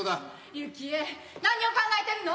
幸恵何を考えてるの⁉